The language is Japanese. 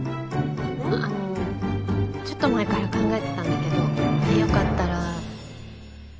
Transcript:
あのちょっと前から考えてたんだけどよかったら。